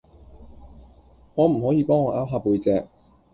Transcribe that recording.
可唔可以幫我 𢯎 下背脊